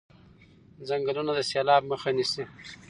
ځنګلونه د سیلاب مخه نیسي.